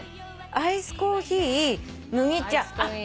アイスコーヒー麦茶あっ。